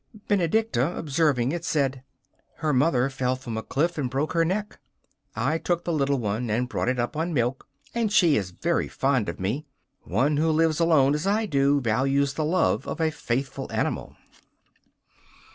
Benedicta, observing it, said: 'Her mother fell from a cliff and broke her neck. I took the little one and brought it up on milk, and she is very fond of me. One who lives alone as I do values the love of a faithful animal.